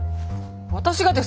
私がですか？